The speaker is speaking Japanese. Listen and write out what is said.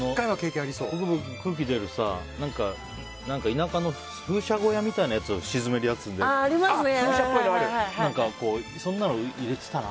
空気出るさ、何か田舎の風車小屋みたいなやつを沈めるやつとかそんなの入れてたな。